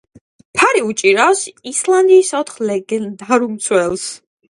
ფარი უჭირავს ისლანდიის ოთხ ლეგენდარულ მცველს.